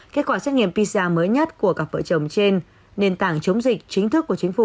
kết quả xét nghiệm pisa mới nhất của cặp vợ chồng trên nền tảng chống dịch chính thức của chính phủ